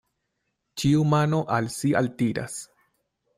Ĉiu mano al si altiras.